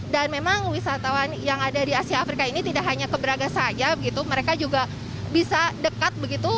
dan memang wisatawan yang ada di asia afrika ini tidak hanya ke braga saja begitu mereka juga bisa dekat begitu